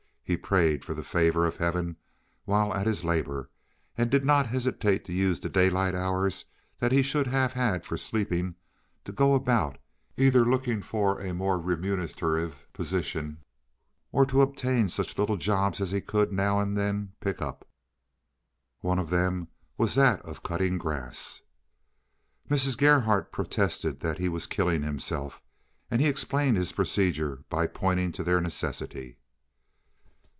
He prayed for the favor of Heaven while at his labor, and did not hesitate to use the daylight hours that he should have had for sleeping to go about—either looking for a more remunerative position or to obtain such little jobs as he could now and then pick up. One of them was that of cutting grass. Mrs. Gerhardt protested that he was killing himself, but he explained his procedure by pointing to their necessity.